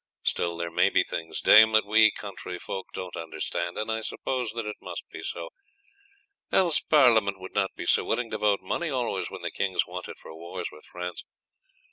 Still there may be things, dame, that we country folks don't understand, and I suppose that it must be so, else Parliament would not be so willing to vote money always when the kings want it for wars with France.